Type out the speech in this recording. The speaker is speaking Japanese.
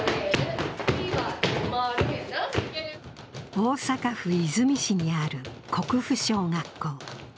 大阪府和泉市にある国府小学校。